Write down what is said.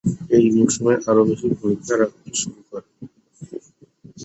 এ মৌসুমে আরও বেশি ভূমিকা রাখতে শুরু করেন।